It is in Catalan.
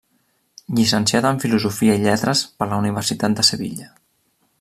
Llicenciat en filosofia i lletres per la Universitat de Sevilla.